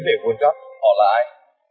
về world cup họ là ai